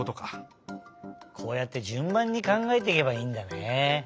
こうやってじゅんばんにかんがえていけばいいんだね。